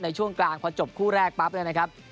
ช่วงกลางพอจบคู่แรกปั๊บเนี่ยนะครับ